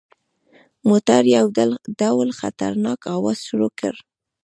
موټر یو ډول خطرناک اواز شروع کړ.